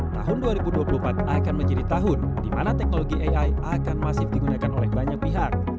tahun dua ribu dua puluh empat akan menjadi tahun di mana teknologi ai akan masif digunakan oleh banyak pihak